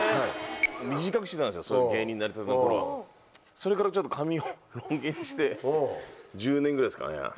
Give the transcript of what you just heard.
それからちょっと髪をロン毛にして１０年ぐらいですかね。